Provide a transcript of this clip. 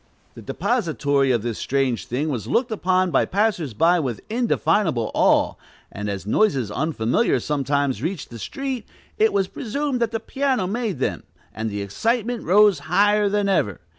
The depository of this strange thing was looked upon by the passers by with indefinable awe; and, as noises unfamiliar sometimes reached the street, it was presumed that the piano made them, and the excitement rose higher than ever.